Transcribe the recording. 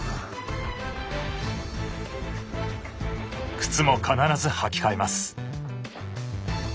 靴も必ず履き替えます。